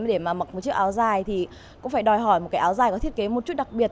để mà mặc một chiếc áo dài thì cũng phải đòi hỏi một cái áo dài có thiết kế một chút đặc biệt